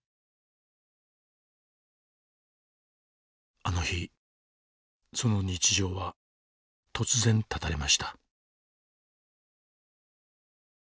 あの日その日常は突然絶たれました。